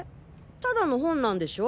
ただの本なんでしょ？